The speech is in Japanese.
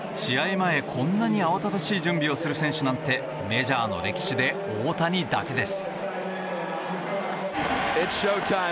前、こんなに慌ただしい準備をする選手なんてメジャーの歴史で大谷だけです。